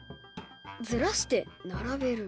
ずらして並べる？